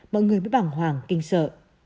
mọi người mới bảng hoàng kinh sợ